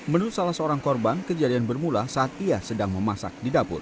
menurut salah seorang korban kejadian bermula saat ia sedang memasak di dapur